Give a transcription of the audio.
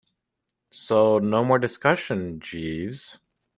So no more discussion, Jeeves.